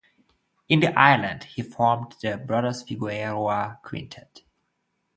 In the island he formed the Brothers Figueroa Quintet.